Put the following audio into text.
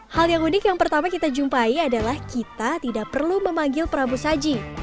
hal yang unik yang pertama kita jumpai adalah kita tidak perlu memanggil prabu saji